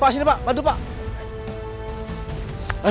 pak sini pak bantu pak